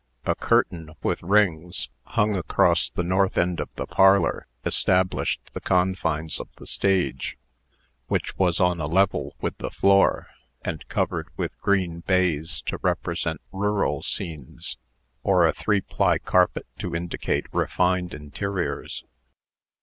A curtain, with rings, hung across the north end of the parlor, established the confines of the stage, which was on a level with the floor, and covered with green baize to represent rural scenes, or a three ply carpet to indicate refined interiors.